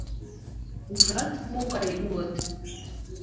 — Ужат, могай улыт?